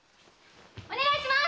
お願いします！